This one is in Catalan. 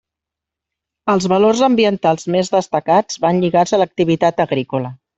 Els valors ambientals més destacats van lligats a l'activitat agrícola.